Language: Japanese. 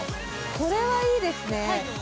◆これはいいですね。